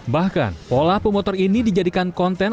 bahkan pola pemotor ini dijadikan konten